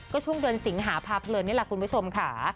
ก็ช่วงเดือนสิงหาภาพเลินนี่แหละคุณผู้ชมค่ะ